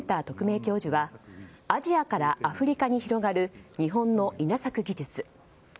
特命教授はアジアからアフリカにつながる日本の稲作技術。